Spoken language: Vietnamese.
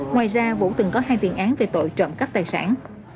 ngoài ra vũ từng có hai tiền án về tội trộm cắp tài sản